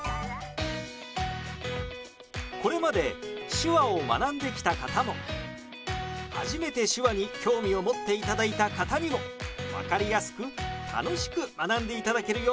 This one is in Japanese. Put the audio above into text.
これまで手話を学んできた方も初めて手話に興味を持っていただいた方にも分かりやすく楽しく学んでいただけるよう